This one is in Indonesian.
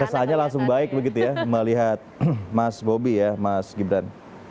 kesannya langsung baik begitu ya melihat mas bobi ya mas gibran